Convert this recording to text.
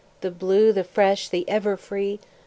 The blue, the fresh, the ever free!